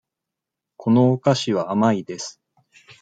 このお菓子は甘いです。